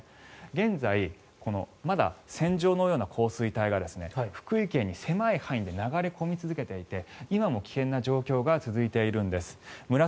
現在、まだ線状のような降水帯が福井県に狭い範囲で流れ込み続けていて今も危険な状況が続いているんです。